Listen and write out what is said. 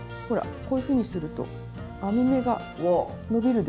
こういうふうにすると編み目が伸びるでしょ！